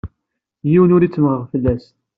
Yiwen ur ttemmɣeɣ fell-as.